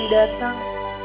mas dudi datang